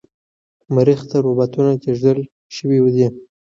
مریخ ته روباتونه لیږل شوي دي.